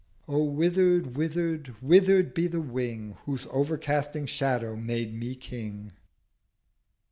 O wither'd, wither'd, wither'd, be the Wing Whose overcasting Shadow made me King!'